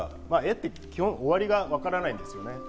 って基本、終わりがわからないんですよね。